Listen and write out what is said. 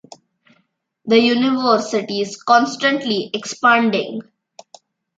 The university is constantly expanding.